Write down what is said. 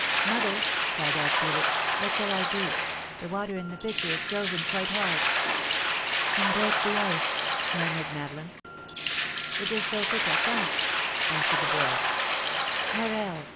"Mother," called out Felix, "what shall I do? The water in the pitcher is frozen quite hard." "Then break the ice," murmured Madeleine. "It is so thick, I can't," answered the boy. "Morel!"